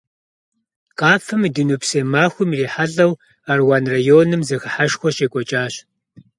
Къафэм и дунейпсо махуэм ирихьэлӀэу, Аруан районым зэхыхьэшхуэ щекӀуэкӀащ.